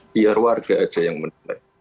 biar warga saja yang menilai